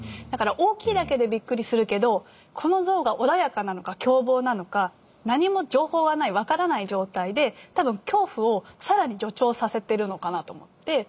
だから大きいだけでびっくりするけどこのゾウが穏やかなのか凶暴なのか何も情報はない分からない状態で多分恐怖を更に助長させてるのかなと思って。